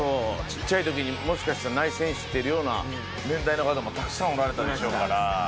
小っちゃい時にもしかしたら内戦知ってるような年代の方もたくさんおられたでしょうから。